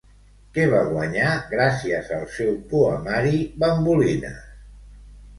Què va guanyar gràcies al seu poemari Bambolines?